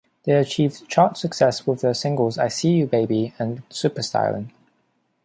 They achieved chart success with their singles "I See You Baby" and "Superstylin'".